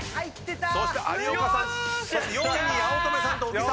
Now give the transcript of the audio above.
そして有岡さん４位に八乙女さんと小木さん。